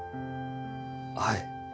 はい。